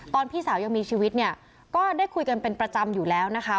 พี่สาวยังมีชีวิตเนี่ยก็ได้คุยกันเป็นประจำอยู่แล้วนะคะ